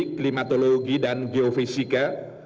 klimatologi dan geofisika